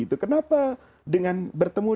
itu kenapa bertemu